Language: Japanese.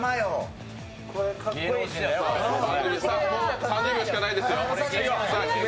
もう３０秒しかないですよ。